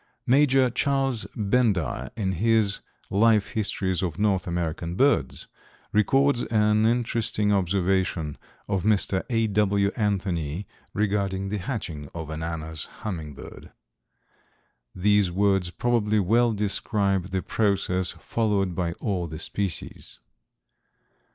Major Charles Bendire in his "Life Histories of North American Birds," records an interesting observation of Mr. A. W. Anthony regarding the hatching of an Anna's Hummingbird. These words probably well describe the process followed by all the species.